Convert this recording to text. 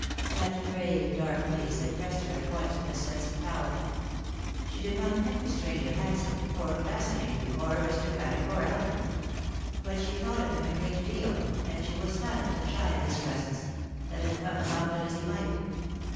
That grave dark face impressed her at once with a sense of power. She did not think the stranger handsome, or fascinating, or aristocratic, or elegant ; but she thought of him a great deal, and she was silent and shy in his presence, let him come as of teu as he might.